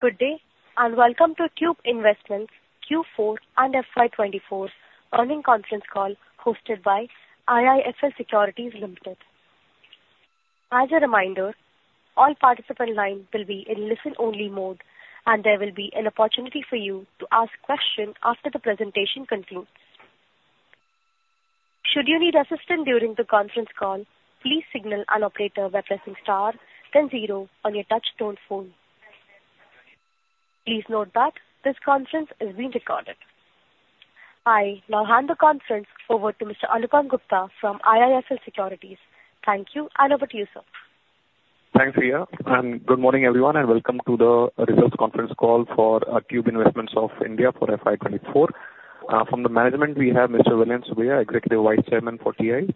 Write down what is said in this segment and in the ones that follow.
Good day, and welcome to Tube Investments Q4 and FY 2024 earnings conference call hosted by IIFL Securities Limited. As a reminder, all participant lines will be in listen-only mode, and there will be an opportunity for you to ask questions after the presentation concludes. Should you need assistance during the conference call, please signal an operator by pressing star then zero on your touchtone phone. Please note that this conference is being recorded. I now hand the conference over to Mr. Anupam Gupta from IIFL Securities. Thank you, and over to you, sir. Thanks, Ria, and good morning, everyone, and welcome to the results conference call for Tube Investments of India for FY 2024. From the management we have Mr. Vellayan Subbiah, Executive Vice Chairman for TI;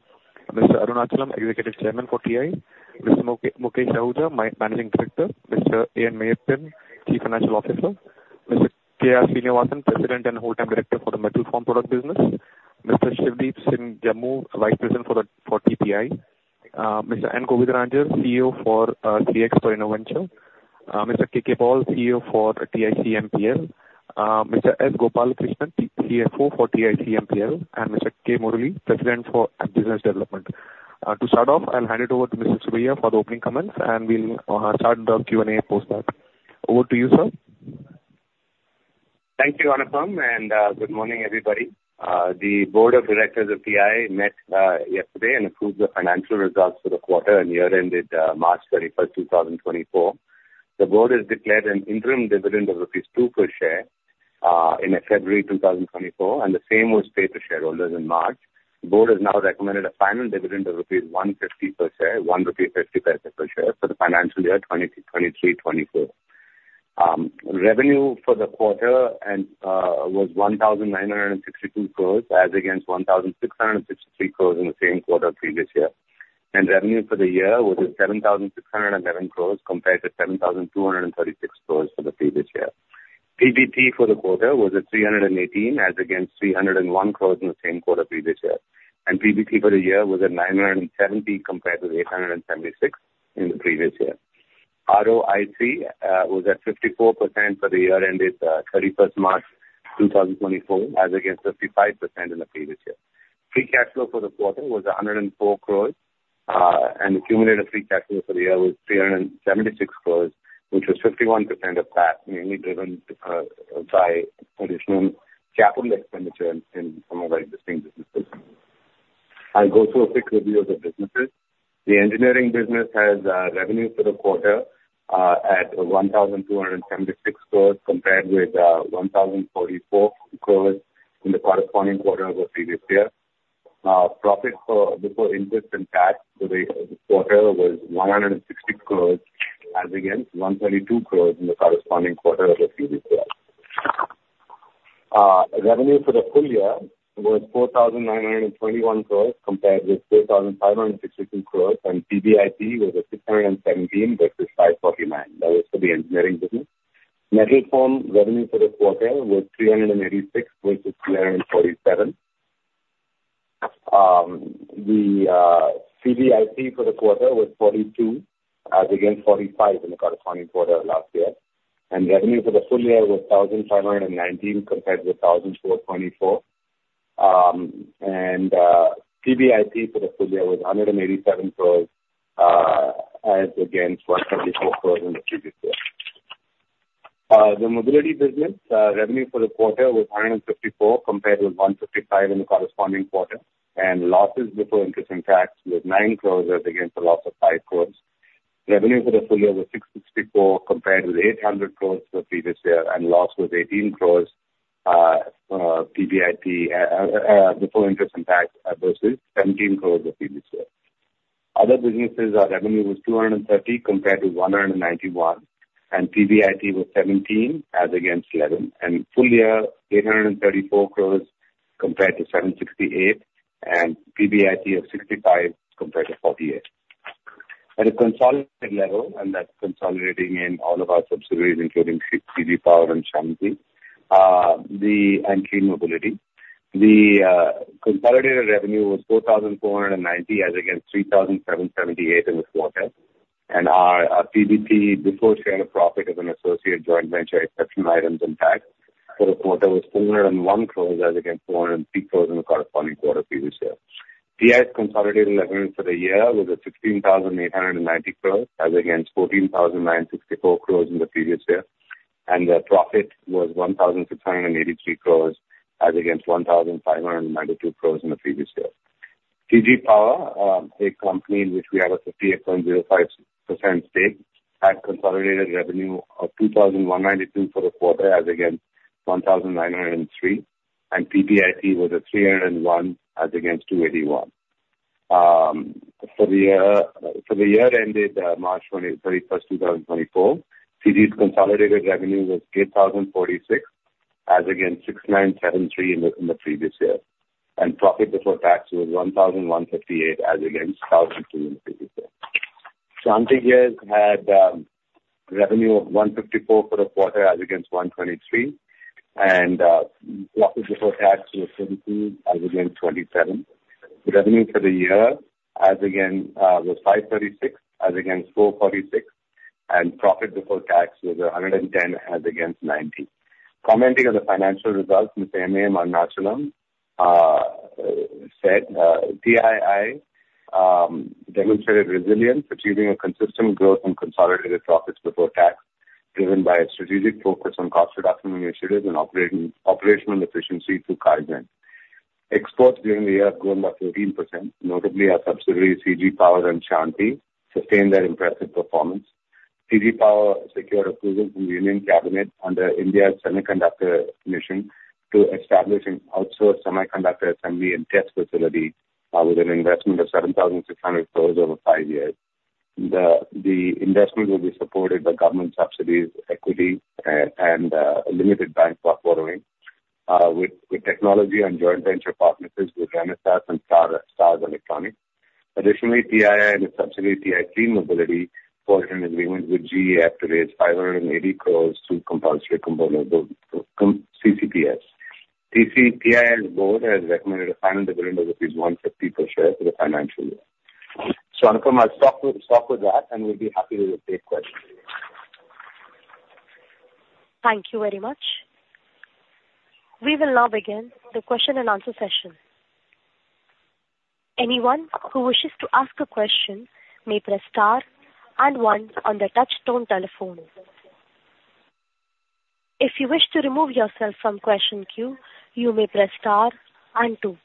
Mr. Arunachalam, Executive Chairman for TI; Mr. Mukesh Ahuja, Managing Director; Mr. A.N. Meyyappan, Chief Financial Officer; Mr. K.R. Srinivasan, President and Whole-Time Director for the Metal Formed Products Business; Mr. Shivdeep Singh Jammu, Vice President for TPI; Mr. N. Govindarajan, CEO for 3xper Innoventure; Mr. K.K. Paul, CEO for TICMPL; Mr. S. Gopalakrishnan, CFO for TICMPL; and Mr. K. Murali, President for Business Development. To start off, I'll hand it over to Mr. Subbiah for the opening comments, and we'll start the Q&A after that. Over to you, sir. Thank you, Anupam, and good morning, everybody. The Board of Directors of TI met yesterday and approved the financial results for the quarter and year ended March 31, 2024. The board has declared an interim dividend of rupees 2 per share in February 2024, and the same was paid to shareholders in March. The Board has now recommended a final dividend of 1.50 rupee per share for the financial year 2023-24. Revenue for the quarter was 1,962 crores as against 1,663 crores in the same quarter previous year. Revenue for the year was at 7,611 crores compared to 7,236 crores for the previous year. PBT for the quarter was at 318 crores as against 301 crores in the same quarter previous year. PBT for the year was at 970 compared to 876 in the previous year. ROIC was at 54% for the year ended 31st March 2024, as against 55% in the previous year. Free cash flow for the quarter was 104 crores, and cumulative free cash flow for the year was 376 crores, which was 51% of that, mainly driven by additional capital expenditure in some of our existing businesses. I'll go through a quick review of the businesses. The engineering business has revenue for the quarter at 1,276 crore compared with 1,044 crore in the corresponding quarter of the previous year. Profit before interest and tax for the quarter was 160 crore, as against 132 crore in the corresponding quarter of the previous year. Revenue for the full year was 4,921 crore compared with 3,562 crore, and PBIT was at 617 versus 549. That was for the engineering business. Metal Form revenue for the quarter was 386 versus 347. The PBIT for the quarter was 42 as against 45 in the corresponding quarter of last year. Revenue for the full year was 1,519 crores compared to 1,424 crores. PBIT for the full year was 187 crores as against 134 crores in the previous year. The mobility business, revenue for the quarter was 154 crores compared with 155 crores in the corresponding quarter, and losses before interest and tax was 9 crores as against a loss of 5 crores. Revenue for the full year was 664 crores compared with 800 crores for the previous year, and loss was 18 crores, PBIT before interest and tax versus 17 crores the previous year. Other businesses, our revenue was 230 crores compared to 191 crores, and PBIT was 17 crores as against 11 crores. Full year, 834 crores compared to 768, and PBIT of 65 compared to 48. At a consolidated level, and that's consolidating in all of our subsidiaries, including CG Power and Shanthi, and Clean Mobility. The consolidated revenue was 4,490 as against 3,778 in this quarter. And our PBT, before share of profit of an associate joint venture, exceptional items, and tax for the quarter was 401 crores as against 403 crores in the corresponding quarter previous year. TI's consolidated revenue for the year was at 16,890 crores as against 14,964 crores in the previous year, and their profit was 1,683 crores as against 1,592 crores in the previous year. CG Power, a company in which we have a 58.05% stake, had consolidated revenue of 2,192 for the quarter, as against 1,903, and PBIT was at 301 as against 281. For the year ended March 31, 2024, CG's consolidated revenue was 8,046, as against 6,973 in the previous year. And profit before tax was 1,158, as against 1,002 in the previous year. Shanthi Gears had revenue of 154 for the quarter, as against 123, and profit before tax was 17 as against 27. The revenue for the year, as against, was 536, as against 446, and profit before tax was 110 as against 90. Commenting on the financial results, Mr. M.A.M. Arunachalam said, TII demonstrated resilience, achieving a consistent growth in consolidated profits before tax, driven by a strategic focus on cost reduction initiatives and operational efficiency through cGMP. Exports during the year have grown by 14%, notably our subsidiary CG Power and Shanthi Gears sustained their impressive performance. CG Power secured approval from the Indian Cabinet under India Semiconductor Mission to establish an outsourced semiconductor assembly and test facility with an investment of 7,600 crore over 5 years. The investment will be supported by Government subsidies, equity, and limited bank borrowing with technology and joint venture partnerships with Renesas and Stars Microelectronics. Additionally, TII and subsidiary TI Clean Mobility forged an agreement with GEF to raise 580 crore through CCPS. TI's board has recommended a final dividend of rupees 150 per share for the financial year. So Anupam, I'll stop with, stop with that, and we'll be happy to take questions. Thank you very much. We will now begin the question and answer session. Anyone who wishes to ask a question may press star and one on the touchtone telephone. If you wish to remove yourself from question queue, you may press star and two.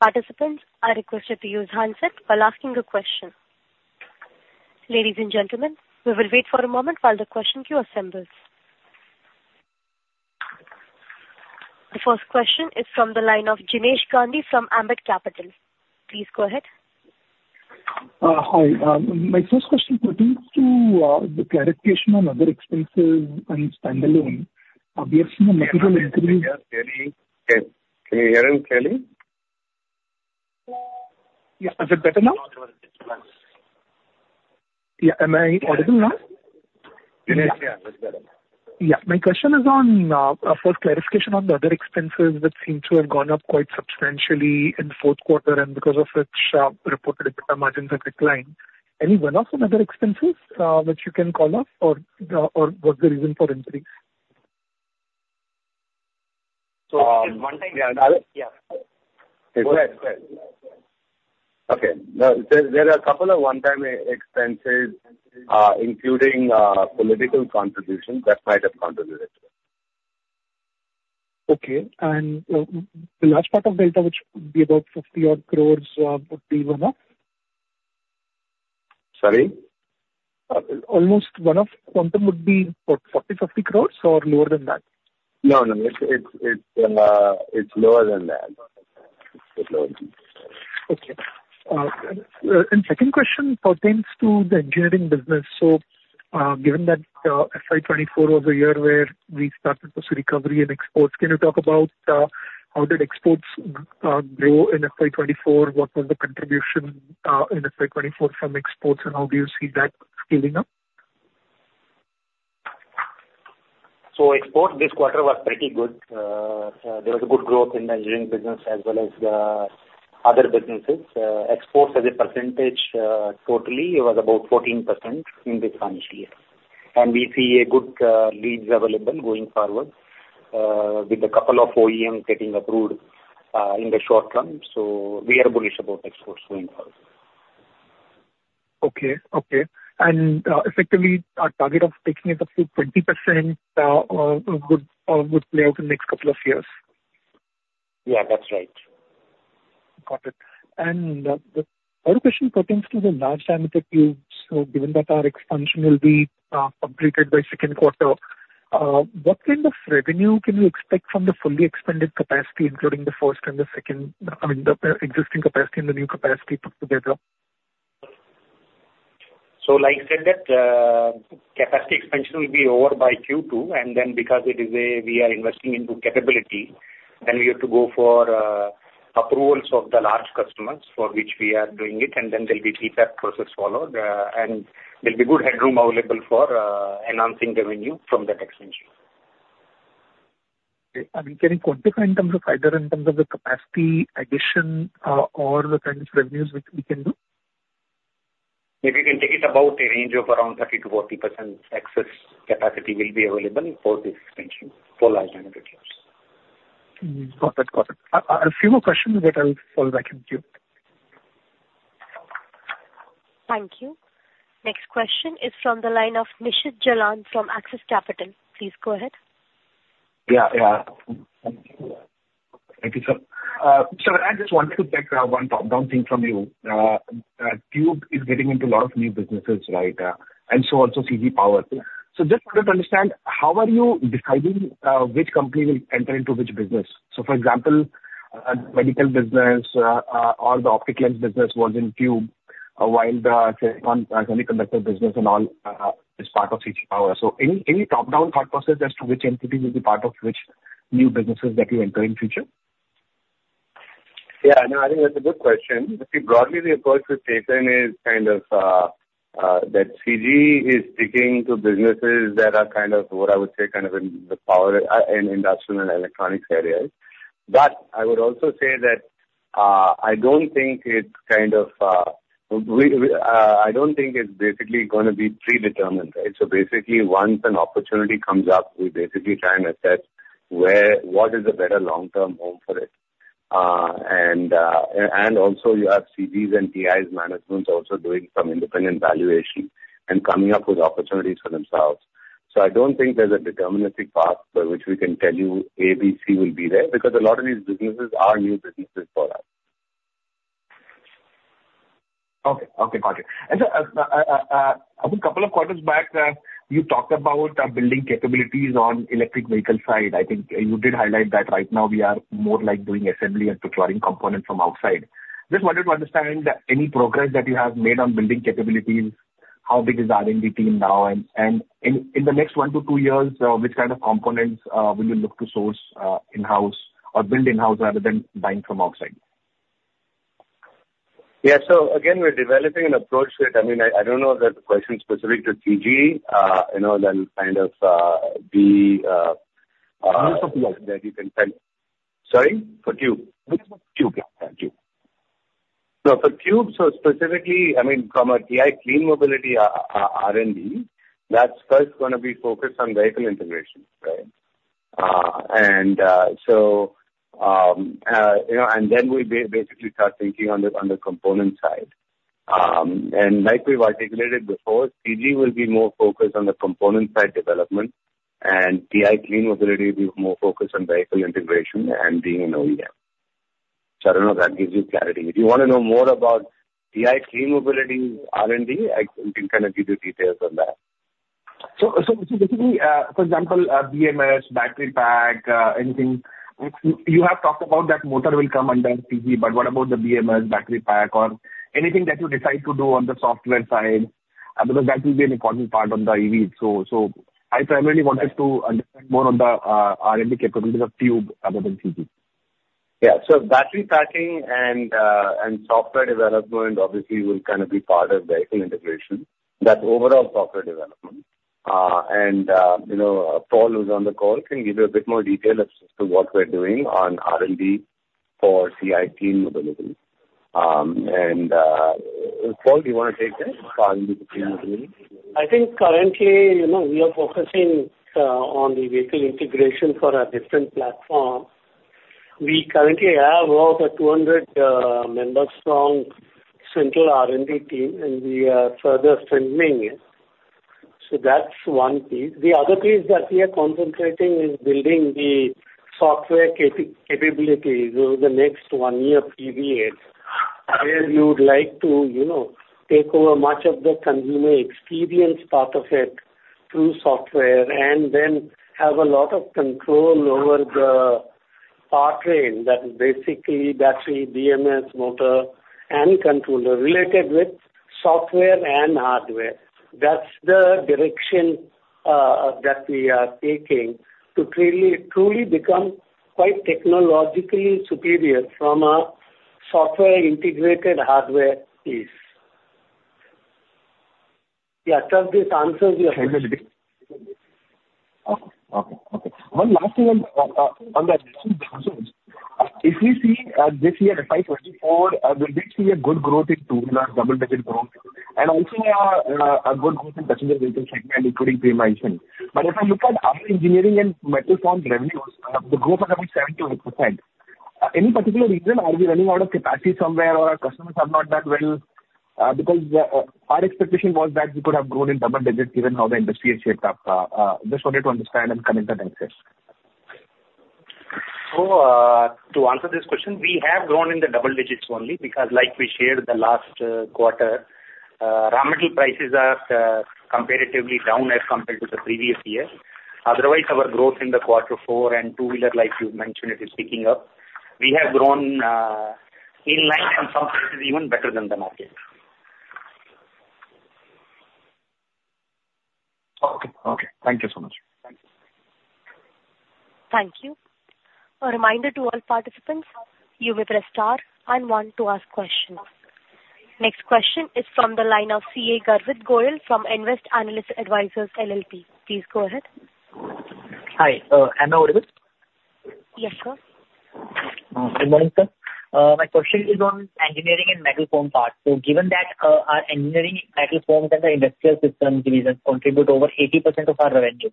Participants are requested to use handset while asking a question. Ladies and gentlemen, we will wait for a moment while the question queue assembles. The first question is from the line of Jinesh Gandhi from Ambit Capital. Please go ahead. Hi. My first question pertains to the clarification on other expenses and standalone, we have seen a Can you hear him clearly? Can you hear him clearly? Yeah. Is it better now? Yeah. Am I audible now? Yeah, yeah, much better. Yeah. My question is on a first clarification on the other expenses that seem to have gone up quite substantially in the fourth quarter, and because of which reported margins have declined. Any one-off other expenses which you can call off or or what's the reason for increase? So, um- One-time, yeah. Go ahead. Go ahead. Okay. There, there are a couple of one-time expenses, including political contributions that might have contributed to it. Okay. And, the large part of delta, which would be about 50-odd crore, would be one-off? Sorry? Almost one-off quantum would be, what, 40 crores-50 crores or lower than that? No, no, it's lower than that. It's lower than that. Okay. And second question pertains to the engineering business. So, given that, FY24 was a year where we started to see recovery in exports, can you talk about, how did exports grow in FY24? What was the contribution in FY24 from exports, and how do you see that scaling up? So exports this quarter were pretty good. There was a good growth in the engineering business as well as other businesses. Exports as a percentage, totally, it was about 14% in this financial year. And we see a good leads available going forward with a couple of OEM getting approved in the short term. So we are bullish about exports going forward. Okay. Okay. And, effectively, our target of taking it up to 20%, would play out in the next couple of years? Yeah, that's right. Got it. And, the other question pertains to the large diameter tubes. So given that our expansion will be completed by second quarter, what kind of revenue can we expect from the fully expanded capacity, including the first and the second, I mean, the existing capacity and the new capacity put together? So like I said, that capacity expansion will be over by Q2, and then because it is a, we are investing into capability, then we have to go for approvals of the large customers, for which we are doing it, and then there'll be TF process followed. And there'll be good headroom available for enhancing revenue from that expansion. Okay. And we can quantify in terms of either in terms of the capacity addition, or the kind of revenues which we can do? If you can take it, about a range of around 30%-40% excess capacity will be available for this expansion, for large diameter tubes. Got it. Got it. A few more questions that I'll follow back in queue. Thank you. Next question is from the line of Nishit Jalan from Axis Capital. Please go ahead. Yeah, yeah. Thank you, sir. Sir, I just wanted to take one top-down thing from you. Tube is getting into a lot of new businesses, right? And so also CG Power. So just wanted to understand, how are you deciding which company will enter into which business? So, for example, medical business or the optical lens business was in Tube, while the semiconductor business and all is part of CG Power. So any top-down thought process as to which entity will be part of which new businesses that you enter in future? Yeah, no, I think that's a good question. See, broadly, the approach we've taken is kind of... that CG is sticking to businesses that are kind of what I would say, kind of in the power, in industrial and electronics areas. But I would also say that, I don't think it's kind of, we, I don't think it's basically gonna be predetermined, right? So basically, once an opportunity comes up, we basically try and assess where-- what is a better long-term home for it. And, and also you have CGs and TIs managements also doing some independent valuation and coming up with opportunities for themselves. So I don't think there's a deterministic path by which we can tell you A, B, C will be there, because a lot of these businesses are new businesses for us. Okay. Okay, got it. I think couple of quarters back, you talked about building capabilities on electric vehicle side. I think you did highlight that right now we are more like doing assembly and procuring components from outside. Just wanted to understand any progress that you have made on building capabilities, how big is the R&D team now, and in the next 1-2 years, which kind of components will you look to source in-house or build in-house rather than buying from outside? Yeah. So again, we're developing an approach that... I mean, I don't know if that question is specific to CG. You know, then kind of- Yes, that you can tell. Sorry? For Tube. Tube. Yeah, tube. No, for Tube, so specifically, I mean, from a TI Clean Mobility, R&D, that's first gonna be focused on vehicle integration, right? And, so, you know, and then we basically start thinking on the, on the component side. And like we've articulated before, CG will be more focused on the component side development, and TI Clean Mobility will be more focused on vehicle integration and being an OEM. So I don't know if that gives you clarity. If you want to know more about TI Clean Mobility R&D, I can kind of give you details on that. So, specifically, for example, BMS, battery pack, anything, you have talked about that motor will come under CG, but what about the BMS battery pack or anything that you decide to do on the software side? Because that will be an important part on the EV. So, I primarily wanted to understand more on the R&D capabilities of tube other than CG. Yeah. So battery packing and, and software development obviously will kind of be part of vehicle integration. That's overall software development. You know, Paul, who's on the call, can give you a bit more detail as to what we're doing on R&D for TI Clean Mobility. Paul, do you want to take this? Paul, Clean Mobility. I think currently, you know, we are focusing on the vehicle integration for a different platform. We currently have over 200 members strong central R&D team, and we are further strengthening it. So that's one piece. The other piece that we are concentrating is building the software capability over the next one year period, where we would like to, you know, take over much of the consumer experience part of it through software, and then have a lot of control over the powertrain. That is basically battery, BMS, motor, and controller related with software and hardware. That's the direction that we are taking to clearly, truly become quite technologically superior from a software integrated hardware piece. Yeah, I trust this answers your question. Okay. Okay, okay. One last thing on the recent results. If we see this year at FY 2024, will we see a good growth in two or double-digit growth? And also a good growth in passenger vehicle segment, including commercial vehicles. But if I look at our engineering and metal form revenues, the growth is about 7%-8%. Any particular reason? Are we running out of capacity somewhere, or our customers are not that well? Because our expectation was that we could have grown in double digits, given how the industry has shaped up. Just wanted to understand and connect the dots there. So, to answer this question, we have grown in the double digits only because, like we shared the last quarter, raw material prices are comparatively down as compared to the previous year. Otherwise, our growth in the quarter four and two-wheeler, like you mentioned, it is picking up. We have grown in line and sometimes even better than the market. Okay. Okay, thank you so much. Thank you. Thank you. A reminder to all participants, you may press star and one to ask questions. Next question is from the line of CA Garvit Goyal from Nvest Analytics Advisory LLP. Please go ahead. Hi, Garvit Goyal? Yes, sir. Good morning, sir. My question is on engineering and metal formed products. So given that, our engineering metal formed products and the industrial systems division contribute over 80% of our revenue,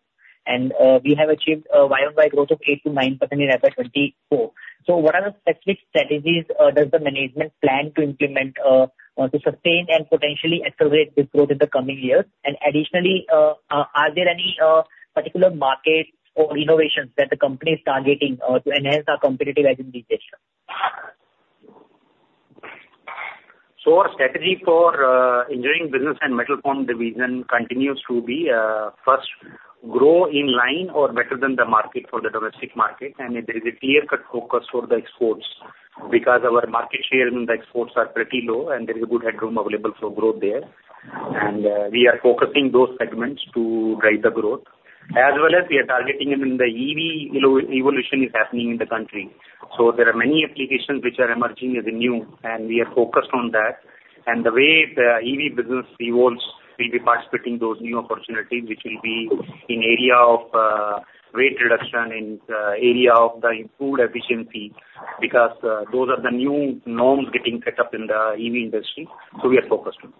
and, we have achieved a YoY growth of 8%-9% in FY 2024. So what are the specific strategies, does the management plan to implement, to sustain and potentially accelerate this growth in the coming years? And additionally, are there any, particular markets or innovations that the company is targeting, to enhance our competitive edge in this sector? So our strategy for engineering business and metal form division continues to be first, grow in line or better than the market for the domestic market, and there is a clear-cut focus for the exports. Because our market share in the exports are pretty low, and there is a good headroom available for growth there. And we are focusing those segments to drive the growth. ...As well as we are targeting, I mean, the EV, you know, evolution is happening in the country. So there are many applications which are emerging as new, and we are focused on that. And the way the EV business evolves, we'll be participating those new opportunities, which will be in area of weight reduction, in the area of the improved efficiency, because those are the new norms getting set up in the EV industry. So we are focused on.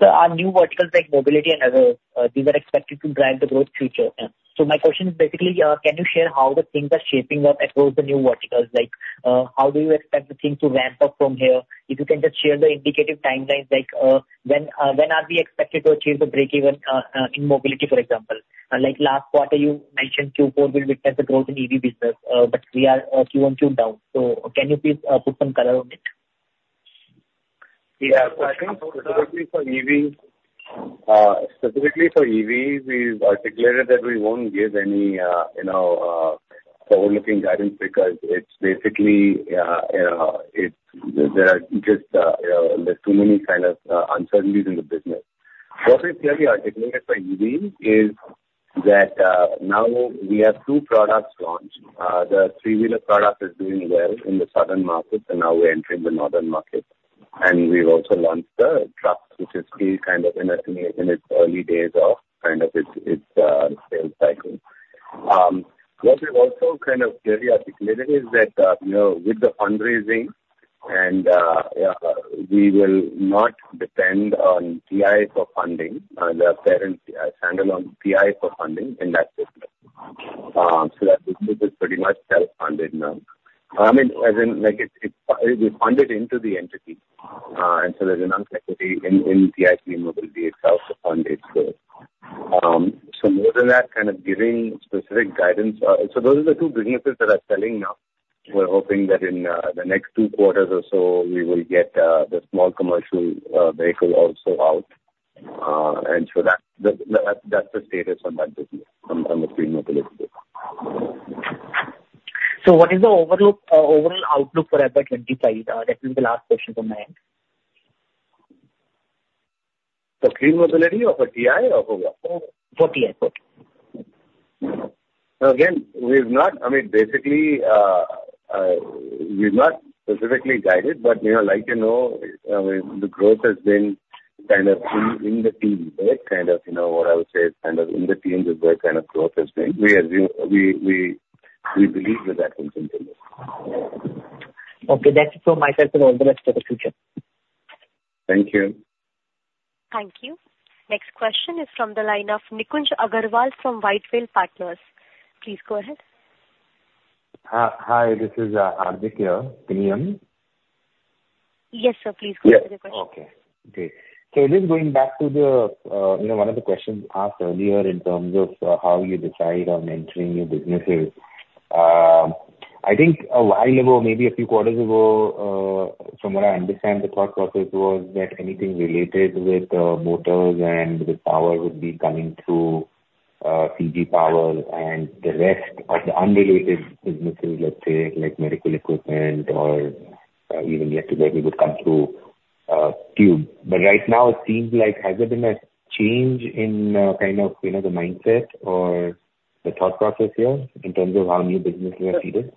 Sir, our new verticals like mobility and other, these are expected to drive the growth future. So my question is basically, can you share how the things are shaping up across the new verticals? Like, how do you expect the things to ramp up from here? If you can just share the indicative timelines, like, when, when are we expected to achieve the break even, in mobility, for example? Like last quarter, you mentioned Q4 will witness the growth in EV business, but we are QoQ down. So can you please, put some color on it? Yeah. Specifically for EV, we've articulated that we won't give any, you know, forward-looking guidance because it's basically, there are just too many kind of uncertainties in the business. What we've clearly articulated for EV is that, now we have two products launched. The three-wheeler product is doing well in the southern markets, and now we're entering the northern markets. And we've also launched the truck, which is still kind of in its early days of kind of its sales cycle. What we've also kind of clearly articulated is that, you know, with the fundraising and, we will not depend on TI for funding, the parent, standalone TI for funding in that business. So that business is pretty much self-funded now. I mean, as in, like, we fund it into the entity, and so there's an equity in TI Mobility itself to fund its growth. So more than that, kind of, giving specific guidance. So those are the two businesses that are selling now. We're hoping that in the next two quarters or so, we will get the small commercial vehicles also out. And so that's the status on that business from the perspective. So what is the overview, overall outlook for FY 2025? That is the last question from my end. For Clean Mobility or for TI or for what? For TI. So again, we've not—I mean, basically, we've not specifically guided, but, you know, like, you know, I mean, the growth has been kind of in, in the teen, right? Kind of, you know, what I would say is kind of in the teens with where kind of growth has been. We believe that that will continue. Okay, that's it from myself and all the best for the future. Thank you. Thank you. Next question is from the line of Nikunj Agarwal from White Whale Partners. Please go ahead. Hi, this is Arjun here. Can you hear me? Yes, sir. Please go ahead with the question. Yeah. Okay, great. So just going back to the, you know, one of the questions asked earlier in terms of, how you decide on entering new businesses. I think a while ago, maybe a few quarters ago, from what I understand, the thought process was that anything related with, motors and the power would be coming through, CG Power, and the rest of the unrelated businesses, let's say, like medical equipment or, even yet to come through, tube. But right now it seems like has there been a change in, kind of, you know, the mindset or the thought process here in terms of how new businesses are treated?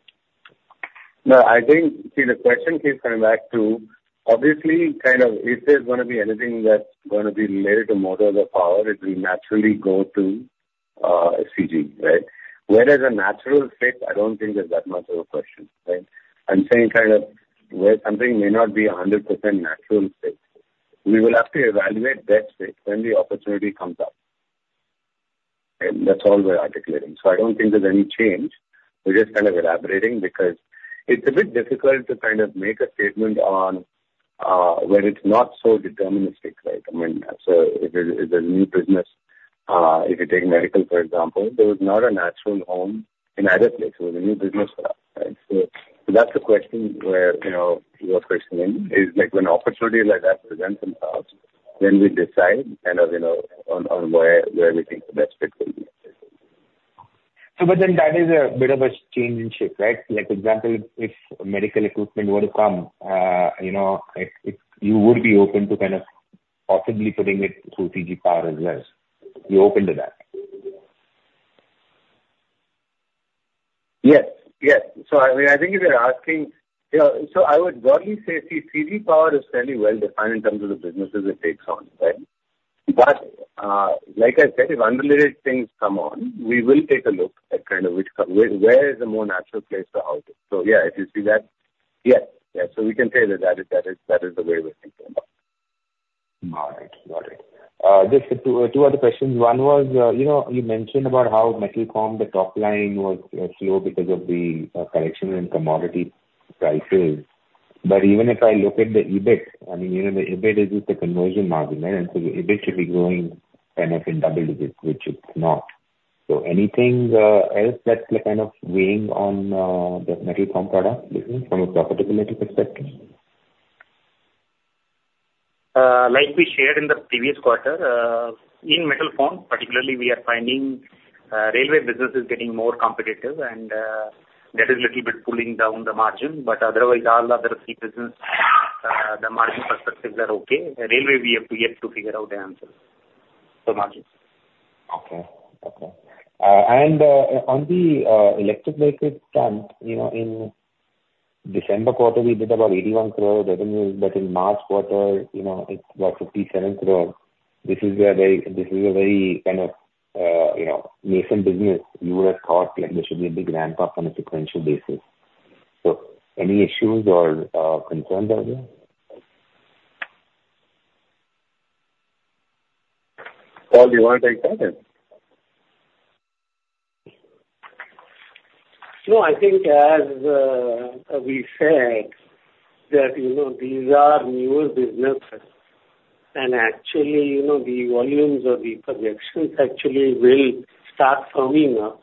No, I think... See, the question keeps coming back to obviously, kind of, if there's gonna be anything that's gonna be related to motors or power, it will naturally go to, CG, right? Where there's a natural fit, I don't think there's that much of a question, right? I'm saying kind of where something may not be a hundred percent natural fit, we will have to evaluate that fit when the opportunity comes up. And that's all we're articulating. So I don't think there's any change. We're just kind of elaborating because it's a bit difficult to kind of make a statement on, where it's not so deterministic, right? I mean, so if it, if there's a new business, if you take medical, for example, there is not a natural home in either place. It was a new business for us, right? That's the question where, you know, your question in is like when an opportunity like that presents itself, then we decide kind of, you know, on, on where, where we think the best fit will be. But then that is a bit of a change in shape, right? Like, example, if medical equipment were to come, you know, it, you would be open to kind of possibly putting it through CG Power as well. You're open to that? Yes. Yes. So, I mean, I think if you're asking... You know, so I would broadly say, see, CG Power is fairly well defined in terms of the businesses it takes on, right? But, like I said, if unrelated things come on, we will take a look at kind of which - where, where is the more natural place to house it. So yeah, if you see that, yes. Yes, so we can say that, that is, that is, that is the way we're thinking about it. All right. Got it. Just two other questions. One was, you know, you mentioned about how Metal Form, the top line was slow because of the correction in commodity prices. But even if I look at the EBIT, I mean, you know, the EBIT is just a conversion margin, right? And so the EBIT should be growing kind of in double digits, which it's not. So anything else that's kind of weighing on the Metal Form product business from a profitability perspective? Like we shared in the previous quarter, in Metal Form particularly, we are finding, railway business is getting more competitive, and that is little bit pulling down the margin. But otherwise, all other key business-... the margin perspectives are okay. The railway, we have yet to figure out the answer for margins. Okay. Okay. And on the electric vehicle front, you know, in December quarter, we did about 81 crore revenues, but in March quarter, you know, it's about 57 crore. This is a very, this is a very kind of, you know, nascent business. You would have thought like there should be a big ramp up on a sequential basis. So any issues or concerns out there? Paul, do you want to take that one? No, I think as we said that, you know, these are newer businesses, and actually, you know, the volumes or the projections actually will start firming up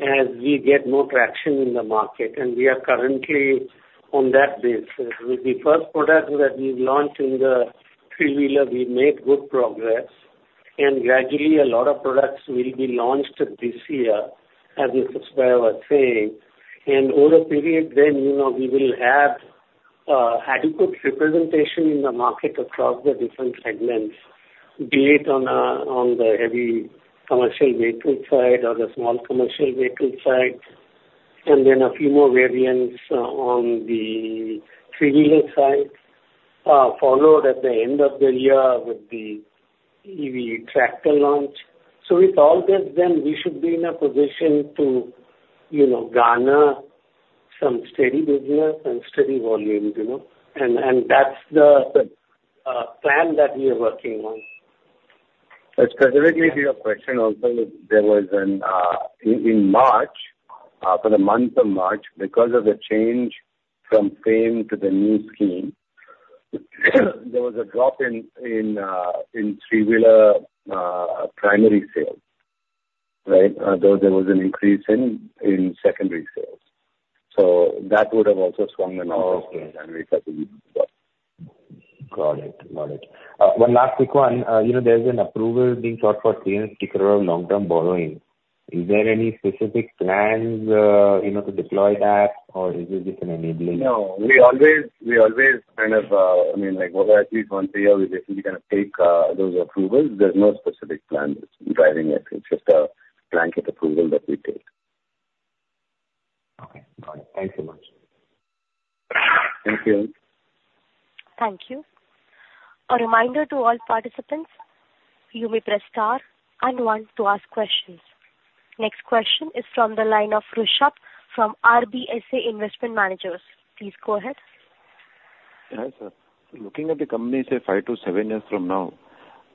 as we get more traction in the market, and we are currently on that basis. With the first product that we've launched in the three-wheeler, we've made good progress, and gradually, a lot of products will be launched this year, as Mr. Subbiah was saying. And over a period, then, you know, we will have adequate representation in the market across the different segments, be it on the heavy commercial vehicle side or the small commercial vehicle side, and then a few more variants on the three-wheeler side, followed at the end of the year with the EV tractor launch. With all this, then we should be in a position to, you know, garner some steady business and steady volumes, you know, and that's the plan that we are working on. But specifically to your question also, there was an... In March, for the month of March, because of the change from FAME to the new scheme, there was a drop in three-wheeler primary sales, right? Though there was an increase in secondary sales. So that would have also swung the numbers. Oh, okay. and result in the drop. Got it. Got it. One last quick one. You know, there's an approval being sought for 36 crore long-term borrowing. Is there any specific plans, you know, to deploy that, or is this just an enabling? No, we always, we always kind of, I mean, like over at least once a year, we definitely kind of take those approvals. There's no specific plan which we're driving at. It's just a blanket approval that we take. Okay, got it. Thank you much. Thank you. Thank you. A reminder to all participants, you may press star and one to ask questions. Next question is from the line of Rushabh from RBSA Investment Managers. Please go ahead. Hi, sir. Looking at the company, say, 5-7 years from now,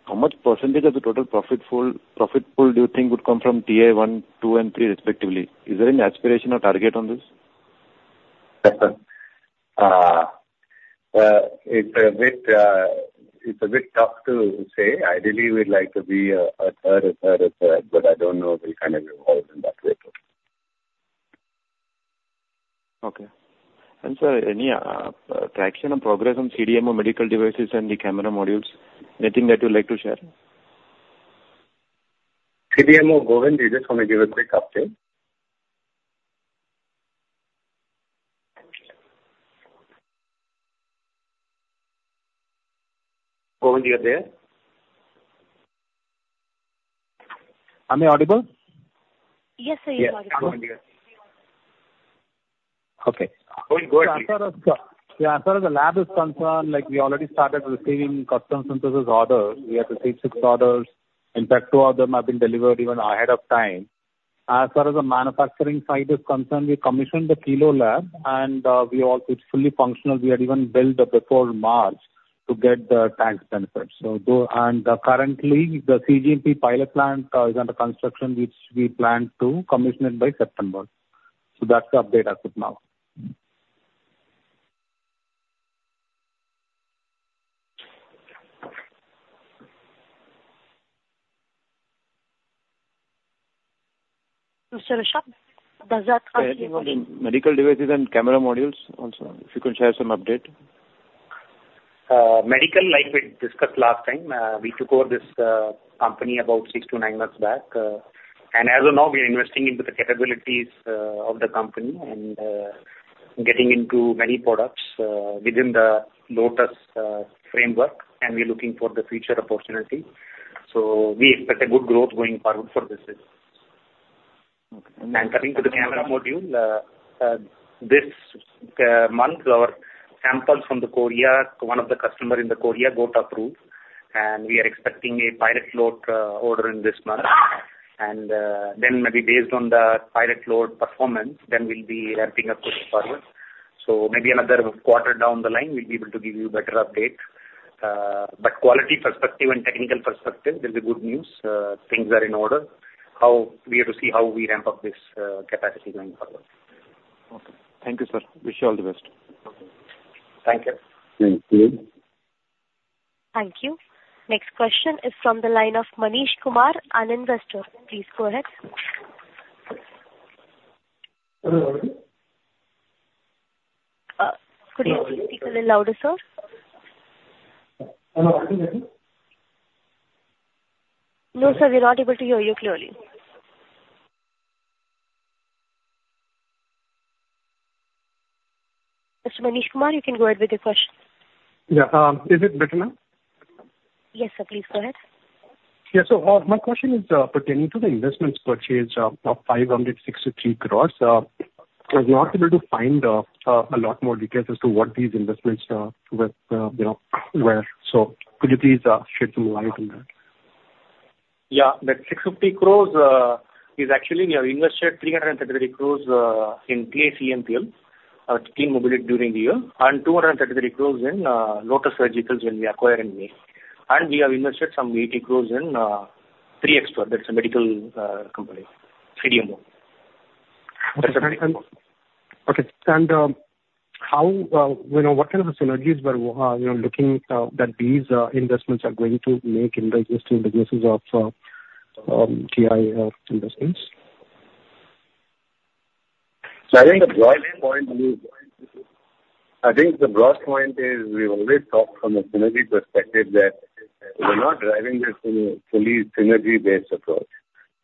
how much percentage of the total profit pool, profit pool do you think would come from TI one, two, and three, respectively? Is there any aspiration or target on this? It's a bit tough to say. Ideally, we'd like to be a third, a third, a third, but I don't know if it will kind of evolve in that way too. Okay. And, sir, any traction or progress on CDMO medical devices and the camera modules? Anything that you'd like to share? CDMO, Govind is just on a quick break. I'll check. Govind, you are there? Am I audible? Yes, sir, you are audible. Yeah, Govind, you are. Okay. Going good. As far as the lab is concerned, like, we already started receiving custom synthesis orders. We have to take six orders. In fact, two of them have been delivered even ahead of time. As far as the manufacturing side is concerned, we commissioned the kilo lab, and it's fully functional. We had even built it before March to get the tax benefits. And currently, the cGMP pilot plant is under construction, which we plan to commission it by September. So that's the update as of now. So, Rishab, does that answer your question? Medical devices and camera modules also, if you could share some update. Medical, like we discussed last time, we took over this company about 6-9 months back. As of now, we are investing into the capabilities of the company and getting into many products within the Lotus framework, and we're looking for the future opportunity. We expect a good growth going forward for business. Okay. Coming to the camera module, this month, our samples from Korea, one of the customer in Korea got approved, and we are expecting a pilot load order in this month. And, then maybe based on the pilot load performance, then we'll be ramping up with forward. So maybe another quarter down the line, we'll be able to give you better update. But quality perspective and technical perspective, there's a good news. Things are in order. We have to see how we ramp up this capacity going forward. Okay. Thank you, sir. Wish you all the best. Thank you. Thank you. Thank you. Next question is from the line of Manish Kumar, an investor. Please go ahead. Hello. Could you please speak a little louder, sir? Am I audible now? No, sir, we're not able to hear you clearly.... Mr. Manish Kumar, you can go ahead with your question. Yeah, is it better now? Yes, sir, please go ahead. Yeah. So, my question is, pertaining to the investments purchased, of 563 crore. I was not able to find, a lot more details as to what these investments are, with, you know, where. So could you please, shed some light on that? Yeah. That 650 crore is actually we have invested 333 crore in TICMPL, TI Clean Mobility during the year, and 233 crore in Lotus Surgicals when we acquire in May. And we have invested some 80 crore in 3xper, that's a medical company, CDMO. Okay. And you know, what kind of synergies were you know looking that these investments are going to make in the existing businesses of TI Investments? So I think the broad point is, I think the broad point is we've always talked from a synergy perspective that we're not driving this in a fully synergy-based approach.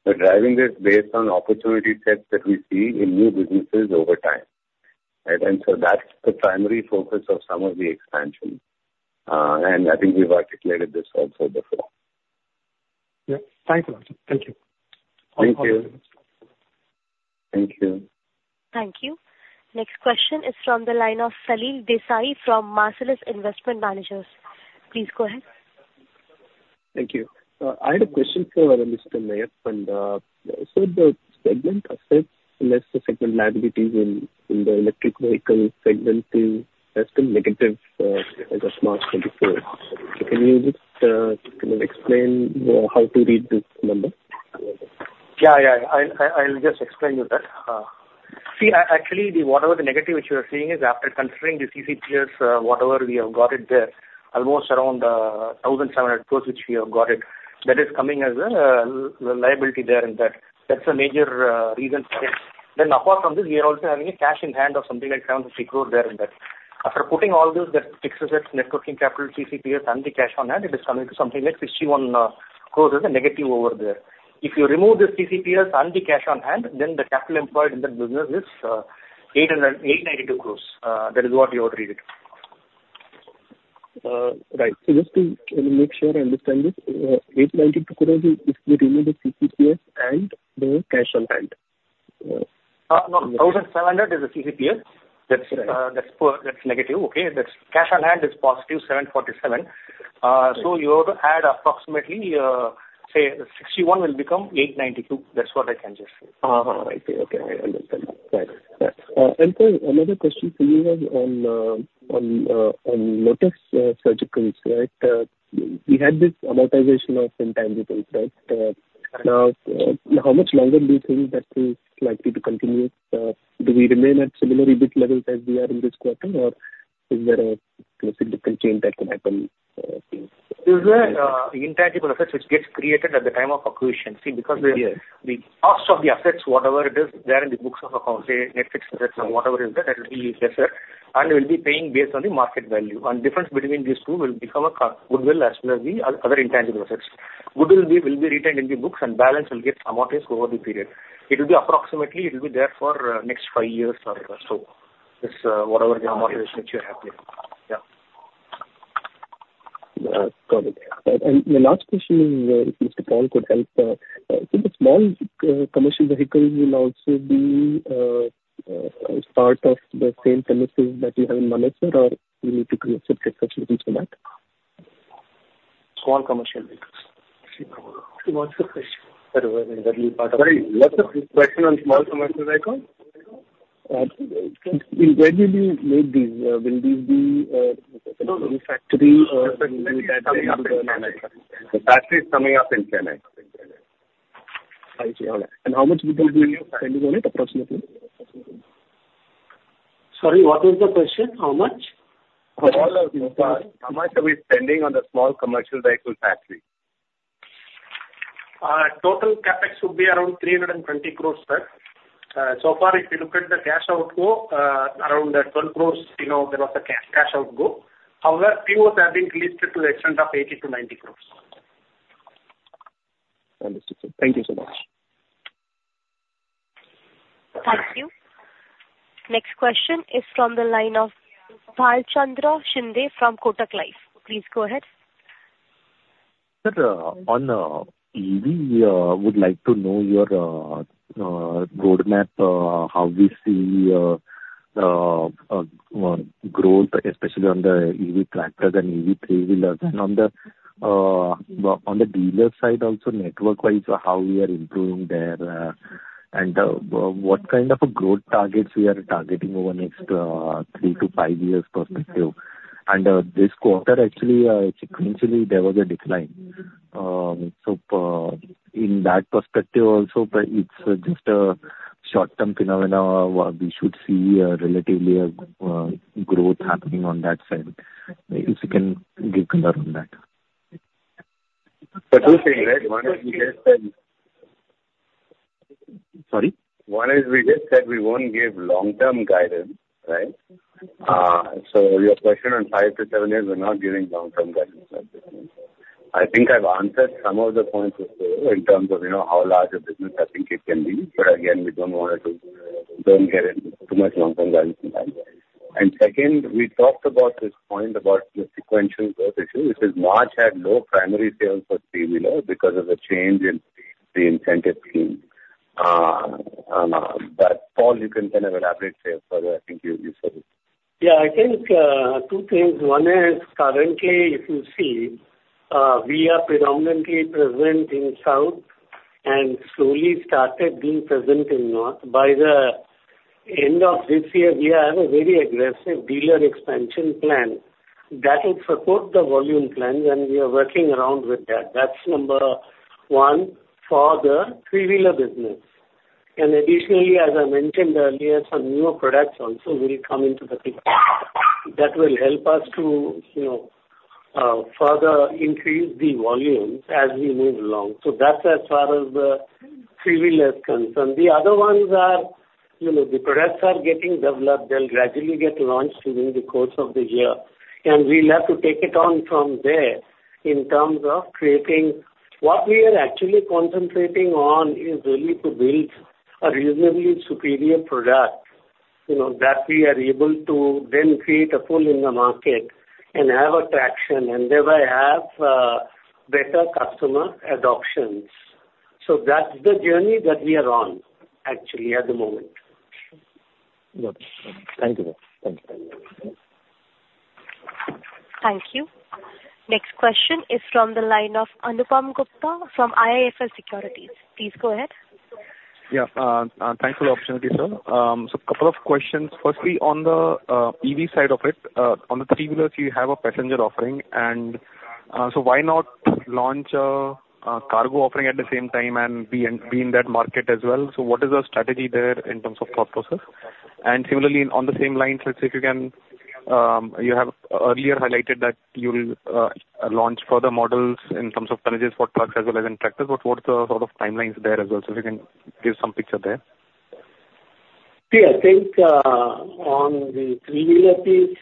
We're driving this based on opportunity sets that we see in new businesses over time. And so that's the primary focus of some of the expansion. And I think we've articulated this also before. Yeah. Thanks a lot, sir. Thank you. Thank you. Thank you. Thank you. Next question is from the line of Salil Desai from Marcellus Investment Managers. Please go ahead. Thank you. I had a question for Mr. Meyyappan, and so the segment assets less the segment liabilities in the electric vehicle segment is, has been negative, as of March 2024. Can you just kind of explain how to read this number? Yeah, yeah. I'll, I, I'll just explain to you that. See, actually, the whatever the negative which you are seeing is after considering the CCPS, whatever we have got there, almost around 1,700 crores, which we have got. That is coming as a liability there, and that's a major reason for it. Then apart from this, we are also having a cash in hand of something like 750 crore there in that. After putting all this, the fixed assets, working capital, CCPS, and the cash on hand, it is coming to something like 61 crore as a negative over there. If you remove the CCPS and the cash on hand, then the capital employed in that business is 892 crores, that is what you have to read it. Right. So just to kind of make sure I understand this, 892 crore is if we remove the CCPS and the cash on hand? No. 1,700 is the CCPS. Right. That's negative, okay? That's cash on hand is positive 747. Right. You have to add approximately, say 61 will become 892. That's what I can just say. Right. Okay, I understand. Right. And sir, another question for you on Lotus Surgical, right? We had this amortization of intangibles, right? And, how much longer do you think that is likely to continue? Do we remain at similar EBITDA levels as we are in this quarter, or is there a significant change that can happen? There's a, intangible assets which gets created at the time of acquisition. See, because the- Yes. The cost of the assets, whatever it is, there in the books of account, say, Netflix assets or whatever is there, that will be lesser, and we'll be paying based on the market value. And difference between these two will become a goodwill, as well as the other intangible assets. Goodwill will be, will be retained in the books and balance will get amortized over the period. It will be approximately, it will be there for next five years or so. This, whatever the amortization which you're having. Yeah. Got it. And the last question is, if Mr. Paul could help, so the small commercial vehicles will also be part of the same premises that you have in Manesar or you need to create separate facilities for that? Small commercial vehicles. Sorry, what's the question? Sorry, what was the question on small commercial vehicles? Where will you make these? Will these be in factory? The factory is coming up in Chennai. I see. All right. And how much would you be spending on it, approximately? Sorry, what was the question? How much? How much are we spending on the small commercial vehicle factory? Total CapEx would be around 320 crores, sir. So far, if you look at the cash outflow, around 12 crores, you know, there was a cash outflow. However, POs have been released to the extent of 80-90 crores. Understood, sir. Thank you so much. Thank you. Next question is from the line of Balchandra Shinde from Kotak Life. Please go ahead. Sir, on EV, would like to know your roadmap, how we see growth, especially on the EV tractor and EV three-wheeler. And on the dealer side, also network-wise, how we are improving there, and what kind of a growth targets we are targeting over the next three to five years perspective. And this quarter actually, sequentially, there was a decline. So, in that perspective, also, it's just a short-term phenomena, where we should see relatively growth happening on that side. If you can give color on that. Two things, right? One is we just said- Sorry? One is we just said we won't give long-term guidance, right? So your question on 5-7 years, we're not giving long-term guidance on that.... I think I've answered some of the points as well, in terms of, you know, how large a business I think it can be, but again, we don't want it to don't get in too much long-term value from that way. And second, we talked about this point about the sequential growth issue, which is March had low primary sales for three-wheeler because of the change in the, the incentive scheme. But, Paul, you can kind of elaborate here further, I think you'll be able to. Yeah, I think, two things. One is currently, if you see, we are predominantly present in South and slowly started being present in North. By the end of this year, we have a very aggressive dealer expansion plan that will support the volume plans, and we are working around with that. That's number one for the three-wheeler business. And additionally, as I mentioned earlier, some newer products also will come into the picture. That will help us to, you know, further increase the volumes as we move along. So that's as far as the three-wheeler is concerned. The other ones are, you know, the products are getting developed. They'll gradually get launched within the course of the year, and we'll have to take it on from there in terms of creating... What we are actually concentrating on is really to build a reasonably superior product, you know, that we are able to then create a pull in the market and have a traction and thereby have better customer adoptions. So that's the journey that we are on, actually, at the moment. Got it. Thank you, sir. Thank you. Thank you. Next question is from the line of Anupam Gupta from IIFL Securities. Please go ahead. Yeah. Thanks for the opportunity, sir. So couple of questions. Firstly, on the EV side of it, on the three-wheelers, you have a passenger offering, and so why not launch a cargo offering at the same time and be in that market as well? So what is the strategy there in terms of thought process? And similarly, on the same lines, let's see if you can, you have earlier highlighted that you'll launch further models in terms of carriages for trucks as well as in tractors, but what's the sort of timelines there as well? So if you can give some picture there. See, I think, on the three-wheeler piece,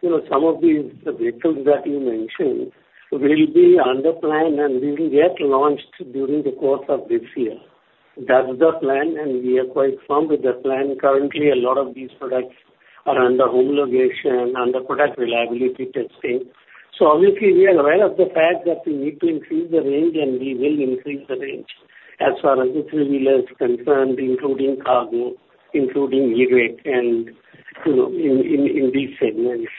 you know, some of these, the vehicles that you mentioned will be on the plan, and we will get launched during the course of this year. That's the plan, and we are quite firm with the plan. Currently, a lot of these products are under homologation, under product reliability testing. So obviously, we are aware of the fact that we need to increase the range, and we will increase the range as far as the three-wheeler is concerned, including cargo, including e-rick and, you know, in these segments.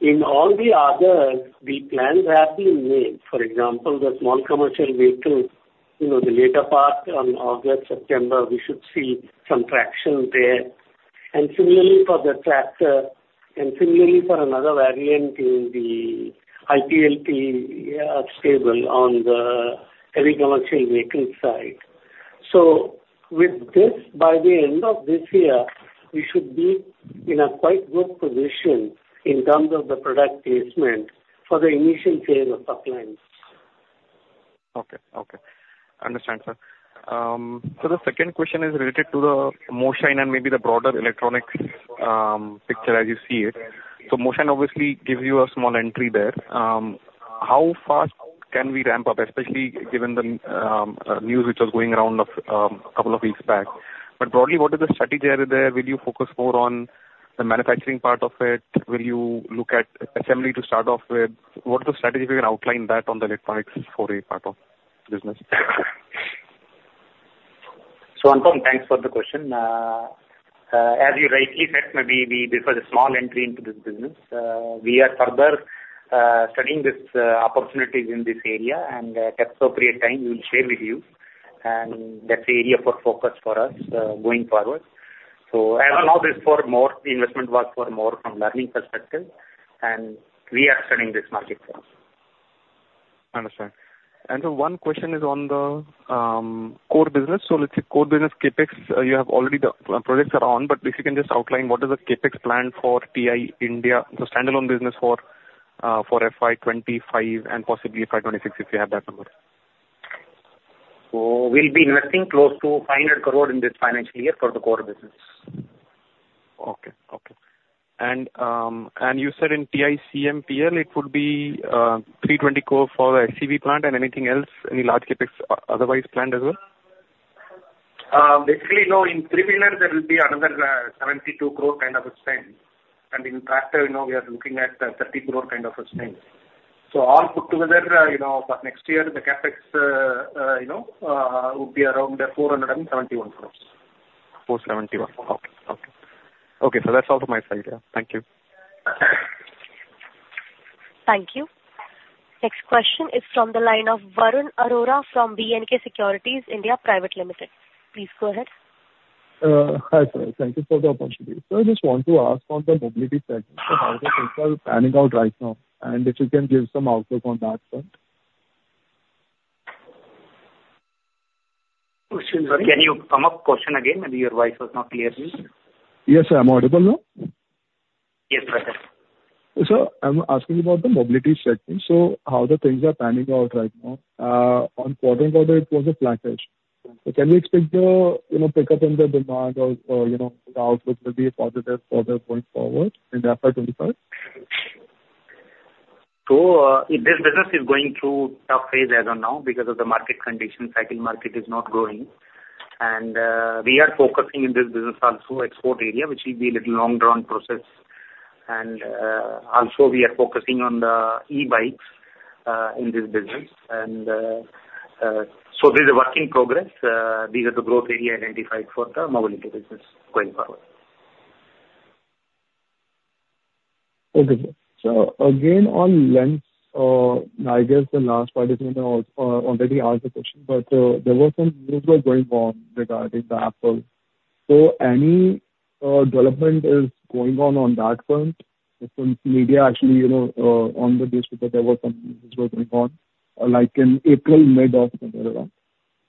In all the others, the plans have been made, for example, the small commercial vehicle, you know, the later part on August, September, we should see some traction there, and similarly for the tractor and similarly for another variant in the IPLT stable on the heavy commercial vehicle side. With this, by the end of this year, we should be in a quite good position in terms of the product placement for the initial phase of the plan. Okay. Okay. Understand, sir. So the second question is related to the Moshine and maybe the broader electronics, picture as you see it. So Moshine obviously gives you a small entry there. How fast can we ramp up, especially given the, news which was going around of, a couple of weeks back? But broadly, what is the strategy area there? Will you focus more on the manufacturing part of it? Will you look at assembly to start off with? What is the strategy, if you can outline that on the electronics for a part of business? So Anupam, thanks for the question. As you rightly said, maybe we prefer a small entry into this business. We are further studying this opportunities in this area, and at appropriate time, we will share with you, and that's the area for focus for us going forward. As of now, this for more, the investment was for more from learning perspective, and we are studying this market as well. Understand. And so one question is on the core business. So let's say core business CapEx, you have already the projects are on, but if you can just outline what is the CapEx plan for TI India, the standalone business for FY 25 and possibly FY 26, if you have that number? We'll be investing close to 500 crore in this financial year for the core business. Okay. Okay. And you said in TI CMPL, it would be 320 crore for the SEV plant and anything else, any large CapEx otherwise planned as well? Basically, no, in three-wheeler, there will be another 72 crore kind of a spend. And in tractor, you know, we are looking at a 30 crore kind of a spend. So all put together, you know, for next year, the CapEx will be around 471 crores. 471. Okay. Okay. Okay, so that's all from my side. Yeah. Thank you. Thank you. Next question is from the line of Varun Arora from B&K Securities. Please go ahead. Hi, sir. Thank you for the opportunity. I just want to ask on the mobility segment, how the things are panning out right now, and if you can give some outlook on that front? Can you come up question again? Maybe your voice was not clear to me. Yes, sir. Am I audible now? Yes, perfect. Sir, I'm asking about the mobility segment. So how the things are panning out right now? On quarter-on-quarter, it was a flat edge.... So can we expect the, you know, pickup in the demand or, or, you know, the outlook will be positive further going forward in FY 25? So, this business is going through tough phase as of now because of the market condition. Cycle market is not growing. We are focusing in this business also export area, which will be a little long drawn process. Also we are focusing on the e-bikes, in this business. So this is a work in progress. These are the growth area identified for the mobility business going forward. Okay, sir. So again, on lens, I guess the last part is, already asked the question, but, there were some news were going on regarding the Apple. So any, development is going on, on that front? Because media actually, you know, on the newspaper, there were some news going on, like in April, mid of April.